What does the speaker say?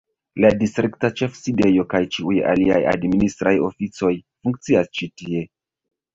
La distrikta ĉefsidejo kaj ĉiuj aliaj administraj oficoj funkcias ĉi tie.